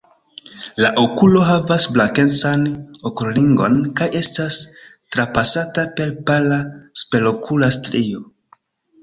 La okulo havas blankecan okulringon kaj estas trapasata per pala superokula strio.